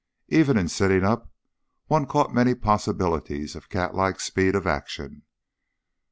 Even in sitting up, one caught many possibilities of catlike speed of action.